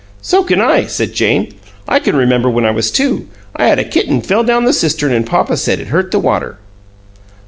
"So can I," said Jane. "I can remember when I was two. I had a kitten fell down the cistern and papa said it hurt the water."